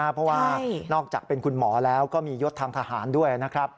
เพราะว่านอกจากเป็นคุณหมอแล้วก็มียศทางทหารด้วยนะครับ